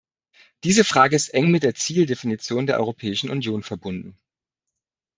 Diese Frage ist eng mit der Zieldefinition der Europäischen Union verbunden.